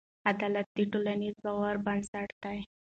عدالت د ټولنیز باور بنسټ دی.